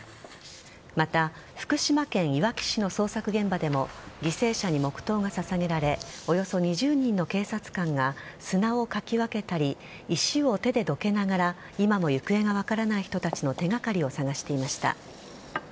また福島県いわき市の捜索現場でも犠牲者に黙とうが捧げられおよそ２０人の警察官が砂をかき分けたり石を手でどけながら今も行方が分からない人たちの手掛かりを捜していました。